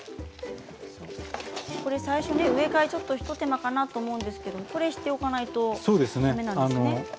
最初、植え替えちょっと、一手間かなと思うんですけど、これをしておかないとだめなんですよね。